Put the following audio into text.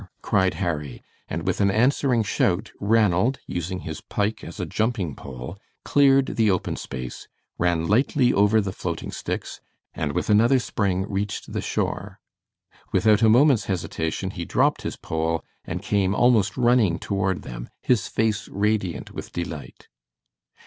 cried Harry; and with an answering shout, Ranald, using his pike as a jumping pole, cleared the open space, ran lightly over the floating sticks, and with another spring reached the shore. Without a moment's hesitation he dropped his pole and came almost running toward them, his face radiant with delight.